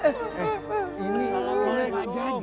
assalamualaikum pak jajak